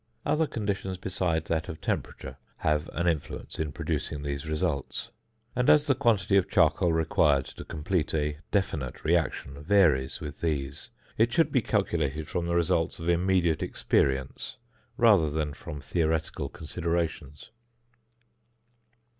Other conditions besides that of temperature have an influence in producing these results; and as the quantity of charcoal required to complete a definite reaction varies with these, it should be calculated from the results of immediate experience rather than from theoretical considerations.